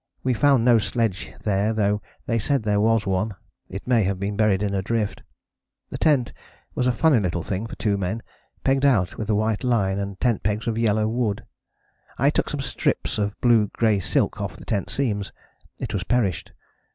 We found no sledge there though they said there was one: it may have been buried in drift. The tent was a funny little thing for 2 men, pegged out with white line and tent pegs of yellow wood. I took some strips of blue grey silk off the tent seams: it was perished.